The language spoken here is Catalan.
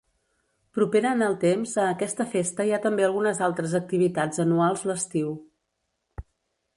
Propera en el temps a aquesta festa hi ha també algunes altres activitats anuals l'estiu.